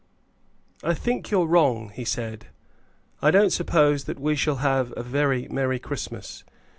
"I think you're wrong," he said; "I don't suppose that we shall have a very merry Christmas.